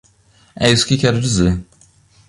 É isso que quero dizer.